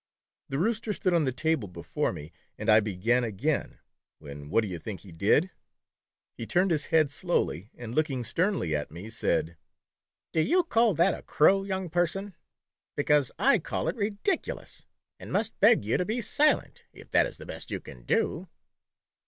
The Rooster stood on the table before me, and I began again, when what do you think he did ? He turned his head slowly, and looking sternly at me, said : 171 1/2 My Flannel Rooster. "Do you call that a crow, young person? Because / call it ridiculous, and must beg you to be silent, if that is the best you can do."